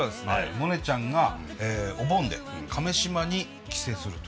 モネちゃんがお盆で亀島に帰省するという。